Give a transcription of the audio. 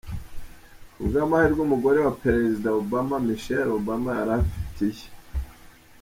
Ku bw’amahirwe umugore wa perezida Obama, Michelle Obama yari afite iye.